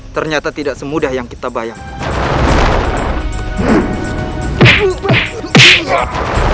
ternyata tidak semudah yang kita bayangkan